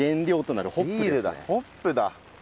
ホップだ。